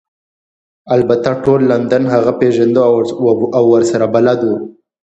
البته ټول لندن هغه پیژنده او ورسره بلد وو